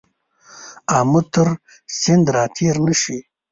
آمو تر سیند را تېر نه شې.